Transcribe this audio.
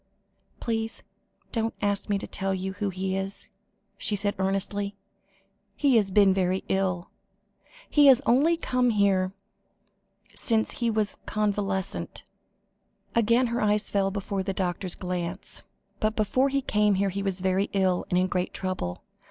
"Please don't ask me to tell you who he is," she said earnestly; "he has been very ill; he has only come here since he was convalescent," again her eyes fell before the doctor's glance, "but before he came here he was very ill, and in great trouble.